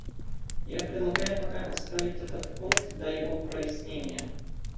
Я предлагаю пока оставить этот пункт до его прояснения.